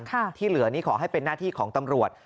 ที่เหลือนี้ขอให้เป็นหน้าที่ของตำรวจ